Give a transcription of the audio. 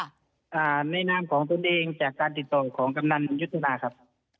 อ่าในนามของตนเองจากการติดต่อของกำนันยุทธนาครับ